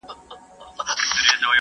او کله چې ستوري په تیاره کې ورک شي